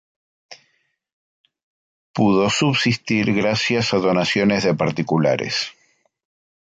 Pudo subsistir gracias a donaciones de particulares.